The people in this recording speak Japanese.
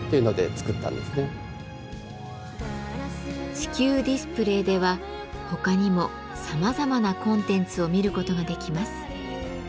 地球ディスプレーでは他にもさまざまなコンテンツを見ることができます。